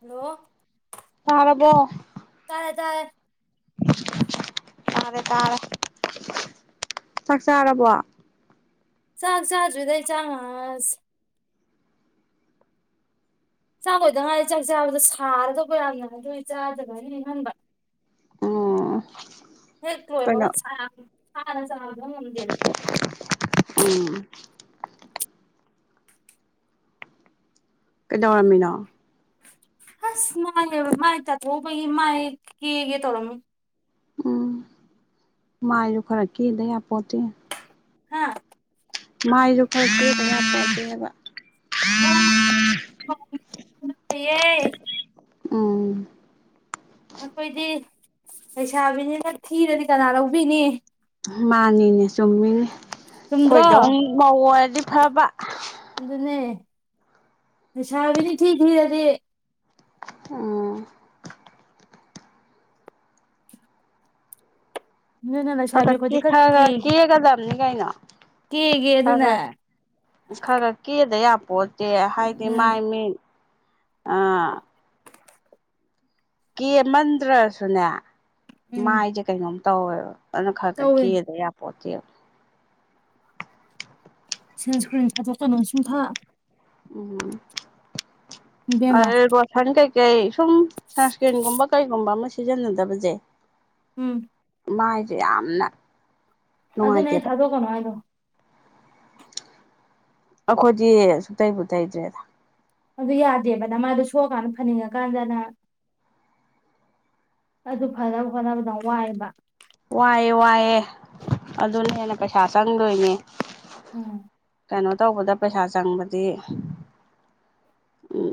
hello ꯇꯥꯔꯔꯕꯣ ꯆꯔ ꯇꯥꯔꯦ ꯇꯥꯔꯦ ꯆꯥꯛ ꯆꯥꯔꯕꯣ ꯁꯥꯒ ꯆꯖꯨꯗ ꯆꯁ ꯆꯥꯈꯣꯏꯗ ꯉꯥꯏ ꯆꯥꯛ ꯆꯥꯕꯗꯣ ꯁꯥꯔꯗꯧꯕ ꯌꯥꯝꯅ ꯅꯣꯏ ꯆꯥꯗꯕ ꯍꯥꯏꯅ ꯏꯪꯍꯟꯕ ꯑꯣ ꯍꯦꯛꯇꯣꯏꯕꯅ ꯆꯕ ꯉꯝꯗꯦꯕ [unintelligible] [inaudible] ꯀꯩꯗꯧꯔꯝꯃꯤꯅꯣ ꯍꯁ ꯃꯥꯅꯦ ꯃꯥꯍꯤ ꯇ ꯑꯣ ꯄꯩ ꯃꯥꯌꯦꯛ ꯌꯦ ꯌꯦ ꯇꯧꯔ ꯎꯝ ꯃꯥꯏꯁꯨ ꯈꯔꯛ ꯀꯦꯗꯌꯥꯄꯣꯠꯇꯤ ꯍꯥꯥ ꯃꯥꯏꯔꯣꯄꯕ ꯑꯣ ꯎꯝ ꯑꯩꯈꯣꯏꯗꯤ ꯂꯩꯩꯁꯥꯕꯤꯅꯤꯅ ꯊꯤꯔꯗꯤ ꯀꯅꯥ ꯂꯧꯕꯤꯅꯤ ꯃꯥꯅꯤꯅꯦ ꯆꯨꯝꯃꯤꯅꯦ ꯆꯨꯝꯗ꯭ꯔꯣ ꯑꯩꯈꯣꯏꯗꯧꯝ ꯃꯧ ꯑꯣꯏꯔꯗꯤ ꯐꯕ ꯑꯗꯨꯅꯦ ꯄꯩꯁꯥꯕꯤꯅꯤ ꯊꯤ ꯊꯤꯔꯗꯤ ꯎꯝ ꯑꯗꯨꯅ ꯑ ꯂꯩꯁꯥꯕꯤ ꯀ ꯑꯩꯈꯣꯏꯗꯤ ꯈꯔ ꯈꯒ ꯀꯦꯛꯒꯗꯕꯅꯤ ꯀꯩꯅꯣ ꯀꯦꯒꯦ ꯑꯗꯨꯅ ꯈꯒ ꯈꯒꯔ ꯀꯗ ꯄꯣꯠꯇꯤ ꯍꯥꯏꯗꯤ ꯎꯝ ꯃꯥꯏ ꯃꯤ ꯀꯦꯃꯟꯗ꯭ꯔꯁꯨꯅꯦ ꯎꯝ ꯃꯥꯏꯁꯦ ꯀꯩꯅꯣꯝ ꯇꯧꯋꯦꯕ ꯑꯗꯨꯅ ꯈꯔ ꯈ ꯇꯧꯋꯦ ꯀꯦꯑꯗ ꯌꯥꯄꯣꯠꯇꯦꯕ ꯁꯦꯟ ꯁꯀ꯭ꯔꯤꯟ ꯊꯖꯠꯀ ꯅꯅꯨꯡꯁꯤꯡꯨꯡꯊꯥ ꯎꯝ ꯏꯕꯦꯝꯃ ꯑ ꯁꯅꯤ ꯀꯩ ꯀꯦ ꯁꯨꯝ ꯁꯟꯁꯀ꯭ꯔꯤꯟꯒꯨꯝꯕ ꯀꯩꯒꯨꯝꯕ ꯑꯃ ꯁꯤꯖꯤꯟꯅꯗꯕꯁꯦ ꯎꯝ ꯃꯥꯏꯁꯦ ꯌꯥꯝꯅ ꯑꯗꯨꯅꯦ ꯑꯩ ꯅꯨꯡꯉꯥꯏꯇꯦꯕ ꯊꯥꯗꯣꯛꯀꯅꯨ ꯍꯥꯏꯗꯣ ꯑꯩꯈꯣꯏꯗꯤ ꯁꯨꯡꯛꯇꯩꯕꯨ ꯇꯩꯗ꯭ꯔꯦꯗ ꯑꯗꯨ ꯌꯥꯗꯦꯕꯅ ꯃꯥꯗꯣ ꯁꯣꯛꯑꯀꯥꯟꯗ ꯐꯅꯤꯡꯉꯀꯥꯟꯗꯅ ꯑꯗꯨ ꯐꯅꯕ ꯈꯣꯠꯅꯕꯗ ꯋꯥꯏꯑꯕ ꯋꯥꯏꯑꯦ ꯋꯥꯏꯑꯦ ꯑꯗꯨꯅ ꯍꯦꯟꯅ ꯄꯩꯁꯥ ꯆꯪꯗꯣꯏꯅꯦ ꯎꯝ ꯀꯩꯅꯣ ꯇꯧꯕꯗ ꯄꯩꯁꯥ ꯆꯪꯕꯗꯤ ꯎꯝ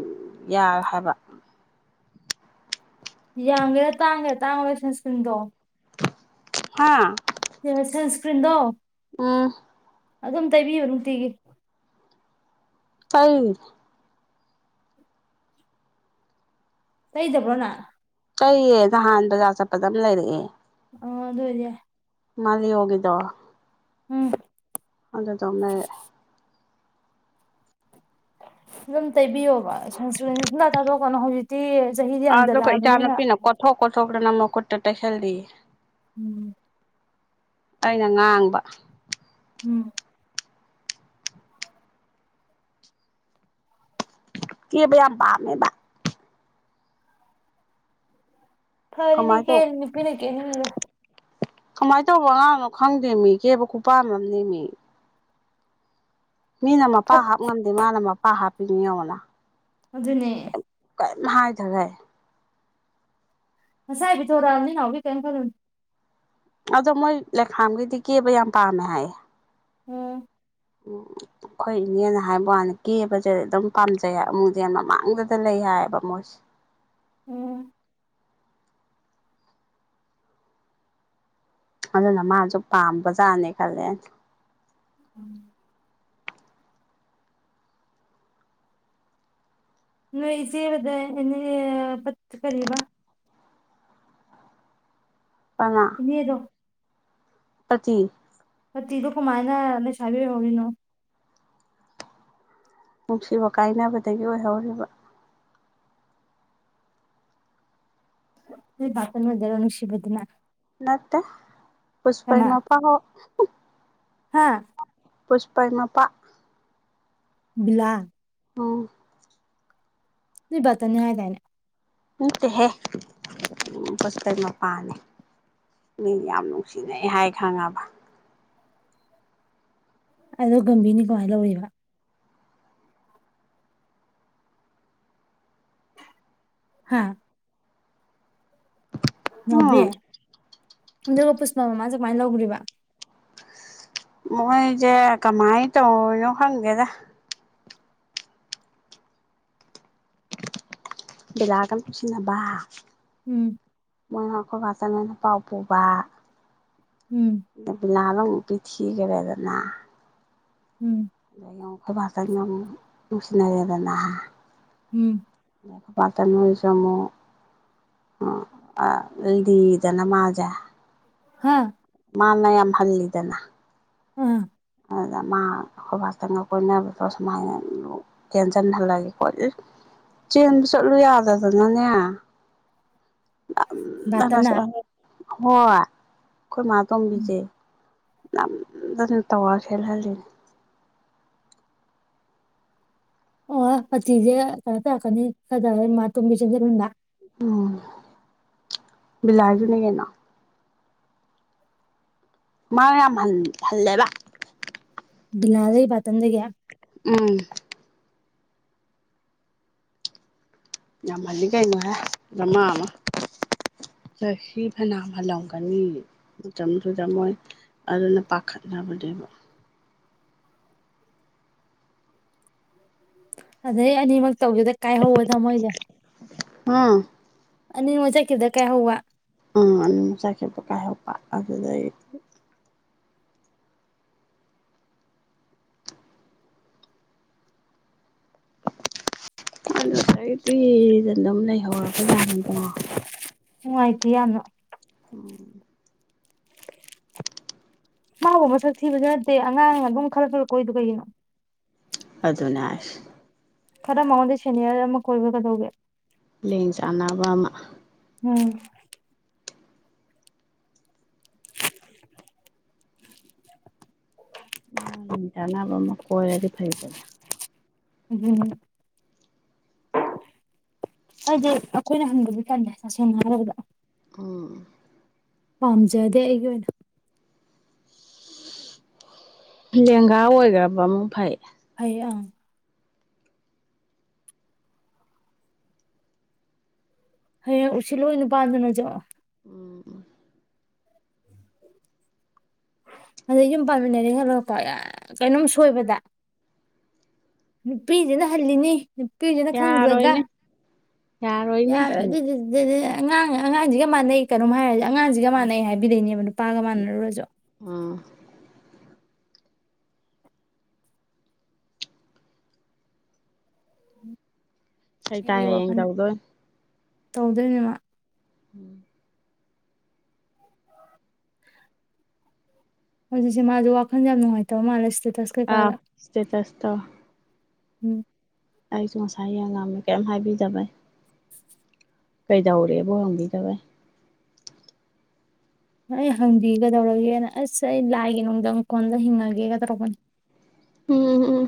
ꯌꯥꯔ ꯍꯥꯏꯕ ꯌꯥꯡꯒꯦꯔꯥ ꯇꯥꯡꯒꯦ ꯇꯥꯡꯉꯈꯒꯦ ꯁꯪꯁꯀ꯭ꯔꯤꯟꯗꯣ ꯍꯥ ꯁꯟꯁꯀ꯭ꯔꯤꯟꯗꯣ ꯎꯝ ꯑꯗꯨꯝ ꯇꯥꯏꯕꯤꯌꯨ ꯅꯨꯡꯇꯤꯒꯤ ꯇꯩ ꯀꯩꯗꯕ꯭ꯔꯣꯅꯥ ꯆꯩꯌꯦ ꯅꯍꯥꯟ ꯕꯖꯥꯔ ꯆꯠꯄꯗ ꯑꯃ ꯂꯩꯔꯛꯑꯦ ꯑ ꯑꯗꯔꯦ ꯃꯥꯔꯤ ꯍꯒꯗꯣ ꯎꯝ ꯂꯩꯔꯛꯑꯦ ꯑꯗꯨꯝ ꯇꯩꯕꯤꯌꯣꯕ ꯁꯪꯁꯀ꯭ꯔꯤ ꯁꯨꯝꯇ ꯊꯥꯗꯣꯛꯀꯅ ꯍꯧꯖꯤꯛꯇꯤ ꯆꯍꯤꯗꯤ ꯑꯗꯨꯒ ꯌꯥꯝꯖꯜꯂꯛꯑꯕꯅꯤꯅ ꯏꯆꯥꯅꯨꯄꯤꯅ ꯀꯣꯠꯊꯣꯛ ꯀꯣꯠꯊꯣꯛꯇꯅ ꯃꯈꯨꯠꯇ ꯇꯩꯁꯜꯂꯤꯌꯦ ꯎꯝ ꯑꯩꯅ ꯉꯥꯡꯕ ꯎꯝ ꯀꯦꯕꯩ ꯌꯥꯝꯝꯕꯃꯦꯕ ꯐꯔꯤꯅꯤ ꯀꯃꯥꯏꯅ ꯇꯧ ꯀꯦꯅꯤꯄꯤꯅꯦ ꯀꯦꯅꯤ ꯀꯃꯥꯏꯅ ꯇꯧꯕ ꯑꯉꯥꯡꯅꯣ ꯈꯪꯗꯦ ꯃꯤ ꯀꯦꯕ ꯈꯨꯄꯥꯟꯝꯅꯦ ꯃꯤ ꯃꯤꯅ ꯃꯄꯥ ꯐꯠ ꯍꯥꯞ ꯉꯝꯗꯦ ꯃꯥꯅ ꯃꯄꯥ ꯍꯥꯞꯄꯤꯅꯤ ꯌꯦꯡꯅ ꯑꯗꯨꯅꯦ ꯍꯥꯏ ꯊꯒꯦ [unintelligible] ꯑꯗꯣ ꯃꯣꯏ ꯂꯩꯈꯥꯝꯒꯤꯗꯤ ꯀꯦꯕ ꯌꯥꯝ ꯄꯥꯝꯃꯦ ꯍꯥꯏꯌꯦ ꯎꯝ ꯎꯝ ꯑꯩꯈꯣꯏ ꯏꯅꯦꯅ ꯍꯥꯏꯕ ꯋꯥꯅ ꯀꯦꯕꯁꯦ ꯑꯗꯨꯝ ꯄꯥꯝꯖꯩ ꯍꯥꯏ ꯑꯃꯃꯨꯡꯁꯦ ꯌꯥꯝ ꯃꯃꯥꯡꯗꯗ ꯂꯩ ꯍꯥꯏꯌꯦꯕ ꯃꯣꯏꯁꯦ [inaudible] ꯎꯝ ꯑꯗꯨꯅ ꯃꯥꯁꯨ ꯄꯥꯝꯕꯖꯥꯠꯅꯦ ꯈꯜꯂꯦ ꯎꯝ ꯅꯣꯏꯁꯤꯕ [unintelligible] ꯄꯊ ꯀꯕ ꯏꯅꯦꯔꯣ ꯄꯆꯤ ꯇꯤꯗꯨ ꯀꯃꯥꯏꯅꯁꯕꯤ ꯍꯧꯒꯅꯣ ꯅꯨꯡꯁꯤꯕ ꯀꯥꯏꯅꯕꯗꯒꯤ ꯑꯣꯏꯍꯧꯔꯤꯕ [unintelligible] ꯅꯠꯇ ꯄꯨꯁꯄꯃꯄ ꯍꯣ ꯍꯥꯥ ꯄꯨꯁꯄꯥꯏꯃꯄꯥ ꯕꯂꯥ ꯑꯣ ꯕꯇꯅꯤ ꯍꯥꯏ ꯇꯥꯏꯅ ꯎꯠꯇꯦ ꯍꯦ ꯎ ꯄꯁ ꯃꯄꯅꯦ ꯅ ꯌꯥꯝ ꯅꯨꯡꯁꯤꯅꯩ ꯍꯥꯏ ꯈꯪꯉꯕ ꯑꯗꯣ ꯒꯝꯚꯤꯅꯤꯒꯥꯏ ꯂꯧꯋꯕ ꯍꯥꯥ ꯉꯧꯕꯕꯤꯌꯦ ꯎꯝ ꯑꯗꯨꯒ ꯄꯨꯁꯄꯥ ꯃꯃꯥꯁꯦ ꯀꯃꯥꯏꯅ ꯂꯧꯈ꯭ꯔꯤꯕ ꯃꯣꯏꯖꯦ ꯀꯃꯥꯏ ꯇꯧꯔꯤꯅꯣ ꯍꯪꯒꯦꯗ ꯂꯥꯒꯝ ꯁꯤꯟꯅꯕ ꯎꯝ ꯃꯣꯏꯅ ꯑꯩꯈꯣꯏ ꯍꯆꯪ ꯑꯣꯏꯅ ꯄꯥꯎ ꯄꯨꯕ ꯎꯝ ꯕꯤꯂꯥ ꯑꯃꯃꯨꯛ ꯄꯤꯊꯤꯈꯔꯦꯗꯅ ꯎꯝ ꯑꯈꯣꯏ ꯚꯇ ꯉ ꯃꯁꯤꯅꯔꯤꯗꯅ ꯎꯝ ꯂꯄꯇꯅꯖꯃꯣ ꯑ ꯑ ꯂꯤꯗꯅ ꯃꯥꯖ ꯍꯥꯥ ꯃꯥꯅ ꯌꯥꯝ ꯍꯜꯂꯤꯗꯅ ꯑꯥ ꯑꯗꯨꯗ ꯃꯥ ꯈꯨꯣꯏꯕꯥꯁꯇꯒ ꯀꯣꯏꯅꯕꯗꯣ ꯁꯨꯃꯥꯏꯅ ꯇꯦꯟꯁꯤꯟꯍꯜꯂꯒꯦ ꯈꯣꯠꯂꯤ ꯆꯦꯟꯕ ꯆꯠꯂꯨ ꯌꯥꯗꯗꯅꯅꯦ ꯕꯥꯇꯟꯅ [unintelligible] ꯍꯣꯏ ꯑꯩꯈꯣꯏ ꯃꯥ ꯎꯝ ꯇꯣꯡꯝꯕꯤꯁꯦ ꯅꯑꯝꯗꯅ ꯇꯑꯧꯋꯥꯍꯜꯂꯤꯅꯤ ꯑꯣ ꯑꯇꯖꯦ ꯀ ꯇꯔꯀꯅꯤ ꯀꯗꯥꯔ ꯃꯥ ꯇꯃꯤ ꯆꯗꯔꯗꯥ ꯎꯝ ꯂꯥꯖꯅꯤ ꯀꯅꯥ ꯃꯥ ꯌꯥꯝ ꯍꯜꯂꯦꯕ ꯕꯤꯅꯥ ꯂꯩ ꯄꯊꯗ ꯀꯌꯥ ꯎꯝ ꯌꯥꯝꯃꯜꯂꯤ ꯀꯩꯅꯣꯍꯦꯃꯃ ꯆꯍꯤ ꯐꯅꯥ ꯐꯂꯝꯒꯅꯤ ꯃꯇꯝꯗꯨꯗ ꯃꯣꯏ ꯑꯗꯨꯅ ꯄꯥꯈꯠꯅꯕꯅꯦꯕ ꯑꯗꯩ ꯑꯅꯤꯃꯛ ꯇꯧꯒꯦꯗ ꯀꯥꯏꯍꯋ ꯊꯃꯣꯏꯅꯦ ꯑꯝ ꯅꯤ ꯃꯖꯥ ꯀꯗ ꯀꯥꯏ ꯍꯧꯋꯥ ꯑꯥ ꯑꯗꯨꯝ ꯆꯥꯏꯈꯦꯠꯄ ꯀꯥꯏꯍꯄ ꯑꯗꯨꯗ ꯑ ꯑꯩꯗꯤ ꯑꯗꯨꯝ ꯂꯩꯍꯧꯔꯕ ꯖꯥꯠꯅꯤꯗꯣ ꯉꯥꯏꯇ ꯌꯥꯝꯅ [unintelligible] ꯃꯥꯕꯨ ꯃꯁꯛ ꯊꯤꯕꯁꯨ ꯅꯠꯇꯦ ꯑꯉꯥꯡ ꯑꯗꯨꯝ ꯈꯜꯂꯂꯛꯀꯣꯗ ꯀꯩꯒꯤꯅꯣ ꯑꯗꯨꯅꯥꯁ ꯈꯔ ꯃꯉꯣꯟꯗ ꯁꯦꯅꯤꯌꯔ ꯑꯃ ꯀꯣꯏꯕꯒꯗꯧꯒꯦ ꯂꯦꯡ ꯆꯥꯟꯅꯕ ꯑꯃ ꯎꯝ ꯃꯥ ꯆꯥꯟꯅꯕ ꯑꯃ ꯀꯣꯏꯔꯗꯤ ꯐꯩꯗꯅ ꯍꯝ ꯍꯥꯏ ꯑꯩꯈꯣꯏꯅ ꯍꯪꯗꯗꯤ ꯀꯥꯟꯗ ꯇꯁꯦꯡꯅ ꯍꯥꯏꯔꯕꯗ ꯎꯝ ꯄꯥꯝꯖꯗꯦ ꯑꯩꯒꯤ ꯑꯣꯏꯅ ꯂꯦꯡꯒꯥ ꯑꯣꯏꯈ꯭ꯔꯕ ꯑꯃꯨꯛ ꯐꯩ ꯑ ꯍꯌꯦ ꯎꯆ ꯂꯣꯍꯤꯅ ꯄꯥꯗꯅꯖ ꯎꯝ ꯑꯗꯩ ꯌꯨꯝ ꯄꯥꯟꯃꯤꯟꯅꯔꯦ ꯈꯜꯂꯄ ꯀꯩꯅꯣꯝ ꯁꯣꯏꯕꯗ ꯅꯨꯄꯤꯁꯤꯅ ꯍꯜꯂꯤꯅꯤ ꯄꯨꯏꯗꯅ ꯈꯪꯗ꯭ꯔꯒ ꯌꯥꯔꯣꯏꯅꯦ ꯌꯥꯔꯣꯏꯅꯦ ꯌꯥꯔꯣꯏ ꯑꯗꯨꯗꯤꯅꯦ ꯑꯉꯥꯡ ꯑꯉꯥꯡꯁꯤꯒ ꯃꯥꯟꯅꯩ ꯀꯩꯅꯣꯝ ꯍꯥꯏꯔꯁꯨ ꯑꯉꯥꯡꯁꯤꯒ ꯃꯥꯟꯅꯩ ꯍꯥꯏꯕꯤꯗꯣꯏꯅꯦꯕ ꯅꯨꯄꯥꯒ ꯃꯥꯟꯅꯔꯨꯔꯁꯨ ꯎꯝ ꯁꯩ ꯀꯥꯏ ꯍꯥꯏ ꯌꯦꯡ ꯇꯧꯗꯣ ꯇꯧꯗꯣꯏꯅꯦꯃ ꯎꯝ ꯍꯧꯖꯤꯛꯁꯦ ꯃꯥꯁꯨ ꯋꯥꯈꯜ ꯌꯥꯝ ꯅꯨꯡꯉꯥꯏꯇꯕ ꯃꯥꯜꯂꯦ ꯁꯤ ꯑꯥꯦ ꯇꯁꯇ ꯎꯝ ꯑꯩꯁꯨ ꯉꯁꯥꯏꯒꯤꯉꯥꯡꯝꯃꯦ ꯀꯔꯤꯝ ꯍꯥꯏꯕꯤꯖꯕꯩ ꯀꯩꯗꯧꯔꯦꯕꯣ ꯍꯪꯕꯤꯗꯕꯦ ꯑꯩ ꯍꯪꯕꯤꯒꯗꯧꯔꯒꯦꯅ ꯑꯁ ꯑꯩ ꯂꯥꯏꯒꯤ ꯅꯨꯡꯗꯥꯪ ꯀꯣꯟꯗ ꯍꯤꯡꯉꯒꯦꯒ ꯇꯧꯔꯛꯄꯅꯤ ꯎꯝ ꯎꯝ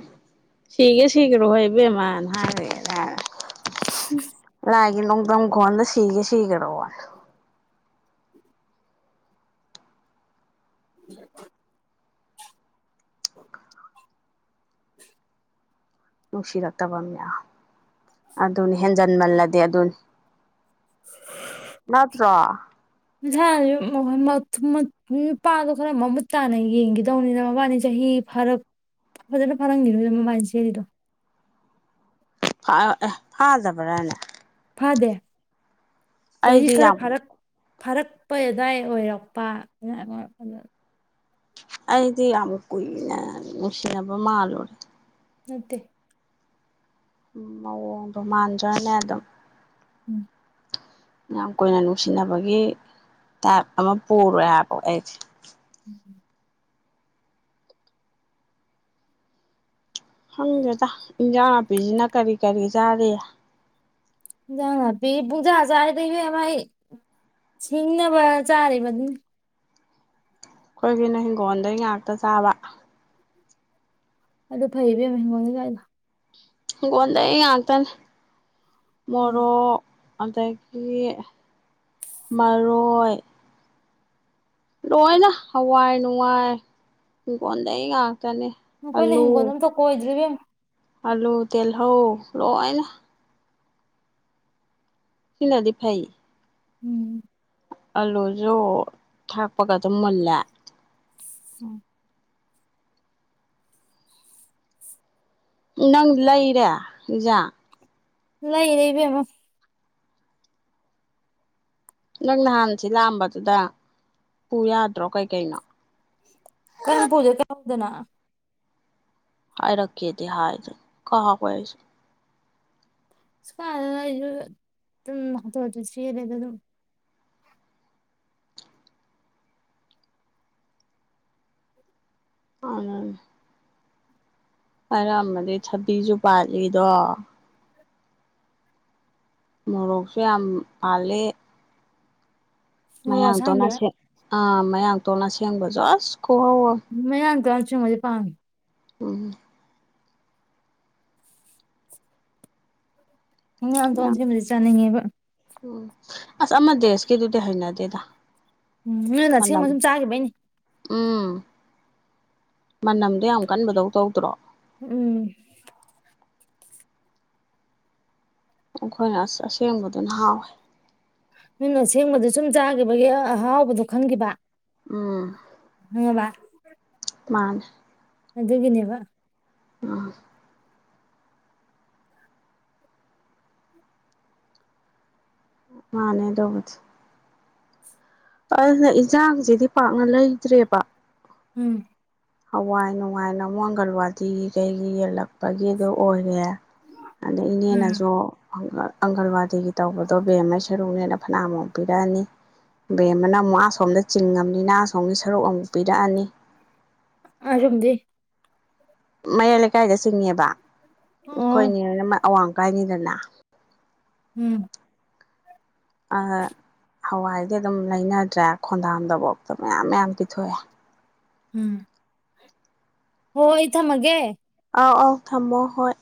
ꯁꯤꯒꯦ ꯁꯤꯈꯔꯣ ꯍꯣꯏꯕꯦꯝꯃꯅ ꯍꯥꯏꯔꯦ ꯂꯥꯏꯒꯤ ꯅꯨꯡꯊꯪꯈꯣꯟꯗ ꯁꯤꯒꯦ ꯁꯤꯈꯔꯣꯅꯦ [unintelligible] ꯅꯨꯡꯁꯤꯔꯛꯇꯕ ꯃꯤꯅ ꯑꯗꯨꯅꯤ ꯍꯦꯟꯖꯟꯃꯜꯂꯗꯤ ꯑꯗꯨꯅꯤ ꯉꯠꯇ꯭ꯔꯣ ꯃꯁꯥ ꯅꯨꯄꯥꯗꯣ ꯈꯔ ꯃꯃꯨꯠ ꯇꯥꯅ ꯌꯦꯡꯈꯤꯗꯧꯅꯤꯅ ꯃꯕꯥꯅꯤ ꯆꯍꯤ ꯐꯖꯅ ꯐꯥꯔꯝꯈꯤꯔꯣꯏꯗ ꯃꯕꯥꯏꯜꯁꯦꯔꯤꯗꯣ ꯑꯦ ꯐꯥꯗꯕꯔꯅ ꯐꯥꯗꯦ ꯆꯍꯤꯔꯤ ꯑꯩꯗꯤ ꯈꯔ ꯌꯥꯝ ꯐꯥꯔꯛ ꯐꯥꯔꯛꯄ ꯑꯗꯨꯗꯥꯋꯥꯏ ꯑꯣꯏꯔꯛꯄ ꯑꯩꯗꯤ ꯑꯃꯨꯛ ꯀꯨꯏꯅꯦ ꯅꯨꯡꯁꯤꯅꯕ ꯃꯥꯜꯂꯨꯔꯦ ꯅꯠꯇꯦ ꯃꯑꯣ ꯔꯣꯃꯥꯟꯗ꯭ꯔꯅꯦ ꯑ ꯑꯗꯨꯝ ꯎꯝ ꯌꯥꯝ ꯀꯨꯏꯅ ꯅꯨꯡꯁꯤꯅꯕꯒꯤ ꯇꯥꯏꯞ ꯑꯃ ꯄꯨꯔꯨꯔꯦ ꯍꯥꯏꯕꯀ ꯑꯩꯁꯦ ꯍꯪꯒꯦꯗ ꯏꯟꯖꯥꯡ ꯅꯥꯄꯤꯁꯤꯅ ꯀꯔꯤ ꯀꯔꯤ ꯆꯥꯔꯤ ꯌꯥ ꯐ ꯄꯖꯥꯖꯔꯗꯥꯏ ꯁꯤꯡꯅꯕ ꯆꯥꯔꯦꯕ ꯑꯗꯨ ꯑꯩꯈꯣꯏꯒꯤꯅ ꯍꯤꯡꯒꯣꯜꯗꯩ ꯉꯥꯛꯇ ꯆꯥꯕ ꯑꯗꯨꯗꯣ ꯐꯩꯕ ꯃꯒꯣꯅꯤꯗ ꯪꯉꯣꯟꯗꯩ ꯉꯥꯛꯇꯅꯦ ꯎꯝ ꯃꯣꯔꯣꯛ ꯑꯗꯒꯤ ꯃꯔꯣꯏ ꯂꯣꯏꯅ ꯍꯋꯥꯏ ꯅꯨꯡꯉꯥꯏ ꯏꯤꯡꯒꯣꯟꯗꯒꯤꯩꯒ ꯇꯅꯦ ꯅꯈꯣꯏꯅ ꯑꯜꯂꯨ ꯍꯤꯡꯒꯣꯜ ꯑꯝꯇ ꯀꯣꯏꯗ꯭ꯔꯤ ꯏꯕꯦꯝꯃ ꯑꯂꯨ ꯇꯜ ꯍꯧ ꯂꯣꯏꯅ ꯁꯤꯂꯗꯤ ꯐꯥꯏ ꯎꯝ ꯑꯂꯨꯖ ꯊꯥꯛꯄꯒ ꯑꯗꯨꯝ ꯃꯨꯜꯂꯦ ꯎꯝ ꯅꯪꯗꯤ ꯂꯩꯔꯦꯖꯥ ꯂꯩ ꯂꯩꯕꯃ ꯅꯪ ꯅꯍꯥꯟꯁꯤ ꯂꯥꯛꯑꯝꯕꯗꯨꯗ ꯄꯨ ꯌꯥꯗ꯭ꯔꯣ ꯀꯩꯀꯩꯅꯣ ꯀꯩꯅ ꯄꯨꯗ ꯀꯩꯅꯗꯅ ꯍꯥꯏ ꯔꯈꯦꯗꯤꯦ ꯍꯥꯏ ꯀꯥ ꯀꯁꯨ ꯁ ꯑꯗꯨꯝꯁꯤꯔꯦꯗ ꯑꯗꯨꯝ ꯑ ꯑꯔꯃꯗꯤ ꯊꯕꯤꯁꯨ ꯄꯥꯜꯂꯤꯗꯣ ꯃꯣꯔꯛꯁ ꯌꯥꯝ ꯄꯂꯦ ꯃꯣꯔꯣꯛ ꯑꯁꯥꯡꯕꯤ ꯃꯌꯥꯡꯇꯣꯅꯦꯡ ꯑꯥ ꯃꯌꯥꯡꯇꯣꯟꯅꯁꯦꯡꯕꯁꯨ ꯑꯁ ꯈꯨꯍꯧ ꯑꯃ ꯃꯌꯥꯝꯡ ꯇꯔꯥ ꯆꯨꯝ ꯃꯗꯤꯦ ꯄꯥꯝꯃꯤꯦ ꯎꯝ ꯎ ꯌꯥꯝ ꯇꯣꯟꯁꯤ ꯃꯔꯤ ꯆꯥꯅꯤꯡꯉꯦ ꯎꯝ ꯑꯁ ꯑꯃ ꯗ ꯑꯁꯀꯤꯗꯨꯗꯤ ꯍꯩꯅꯗꯦꯗ ꯎꯝ ꯅꯣꯟꯗ ꯃꯅꯝ ꯕ ꯁꯨꯝ ꯆꯥꯈꯤꯕꯩꯅꯤ ꯎꯝ ꯃꯅꯝꯗꯣ ꯌꯥꯝ ꯀꯟꯕꯗꯧ ꯇꯧꯗ꯭ꯔꯣ ꯎꯝ ꯑꯩꯈꯣꯏꯅ ꯑꯁ ꯑꯁꯦꯡꯕꯗꯨꯅ ꯍꯥꯎꯋꯦ ꯅꯣꯏꯅ ꯑꯁꯦꯡꯕꯗꯤ ꯁꯨꯝ ꯆꯥꯈꯤꯕꯒꯤ ꯑꯍꯥꯎꯕꯗꯣ ꯈꯪꯈꯤꯕ ꯎꯝ ꯈꯪꯉꯕ ꯎ ꯃꯥꯥꯟ ꯑꯗꯨꯒꯤꯅꯦꯕ ꯑ ꯃꯥꯅꯦ ꯑꯗꯣꯕꯨꯗꯤ ꯑꯗꯨꯅ ꯏꯟꯁꯥꯡꯁꯤꯗꯤ ꯄꯥꯛꯅ ꯂꯩꯇ꯭ꯔꯦꯕ ꯎꯝ ꯍꯋꯥꯏ ꯅꯨꯡꯉꯥꯏꯅꯨ ꯃꯪꯒꯜꯋꯥꯗꯤꯒꯤ ꯀꯩꯒꯤ ꯌꯦꯜꯂꯛꯄꯒꯤꯗꯣ ꯑꯣꯏꯔꯦ ꯑꯗ ꯎꯝ ꯏꯅꯦꯅꯁꯨ ꯑꯪꯒꯜꯋꯥꯗꯤꯒꯤ ꯇꯧꯕꯗꯣ ꯕꯦꯝ ꯑꯃ ꯁꯔꯨꯛꯅꯦꯅ ꯐꯅꯃꯨꯝ ꯄꯤꯔꯛꯑꯅꯤ ꯕꯦꯝ ꯑꯃꯅ ꯑꯃꯨꯛ ꯑꯁꯣꯝꯗ ꯆꯤꯡꯉꯅꯤꯅ ꯑꯁꯣꯝꯒꯤ ꯁꯔꯨꯛ ꯑꯃꯨꯛ ꯄꯤꯔꯛꯑꯅꯤ [unintelligible] ꯃꯌꯥꯏ ꯂꯩꯀꯥꯏꯗ ꯆꯤꯡꯅꯦꯕ ꯑꯣ ꯑꯩꯈꯣꯏꯅꯦ ꯑꯋꯥꯡꯀꯥꯏꯅꯤꯗꯅ ꯎꯝ ꯑ ꯍꯋꯥꯏꯗꯤ ꯑꯗꯨꯝ ꯂꯩꯅꯗ꯭ꯔꯦ ꯈꯣꯟꯗꯥꯝꯗꯕꯥꯎꯗ ꯃꯌꯥꯝ ꯃꯌꯥꯝ ꯄꯤꯊꯣꯛꯑꯦ ꯎꯝ ꯍꯣꯏ ꯑꯩ ꯊꯝꯃꯥꯒ ꯑꯥꯎ ꯑꯥꯎ ꯊꯝꯃꯣ ꯍꯣꯏ